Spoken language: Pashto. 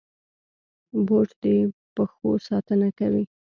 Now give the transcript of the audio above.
بوټ د پښو ساتنه کوي.